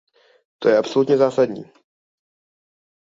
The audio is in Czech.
To je absolutně zásadní.